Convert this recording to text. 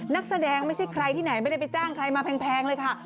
นักแสดงไม่ใช่ใครที่ไหนไม่ได้ไปจ้างใครมาแพงเลยค่ะ